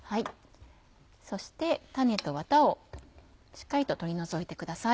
そして種とワタをしっかりと取り除いてください。